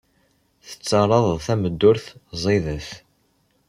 Tettarraḍ tameddurt ẓidet.